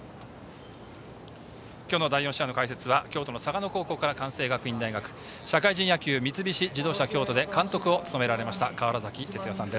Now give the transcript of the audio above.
今日の第４試合の解説は京都の嵯峨野高校から関西学院大学社会人野球、三菱自動車京都で監督を務められた川原崎哲也さん。